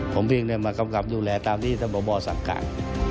ผมเพียงมากำกับดูแลตามที่ท่านบอสั่งการ